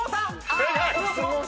正解！